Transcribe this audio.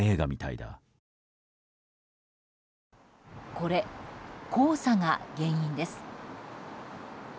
これ、黄砂が原因です。